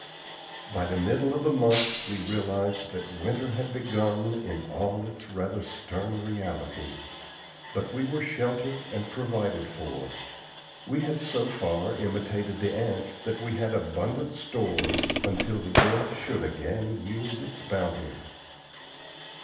By the middle of the month we realized that winter had begun in all its rather stern reality; but we were sheltered and provided for. We had so far imitated the ants that we had abundant stores until the earth should again yield its bounty.